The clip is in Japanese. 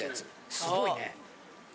すごいね。